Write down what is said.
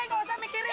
nggak usah mikirin